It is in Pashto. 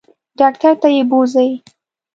ډاکټر ته یې بوزئ.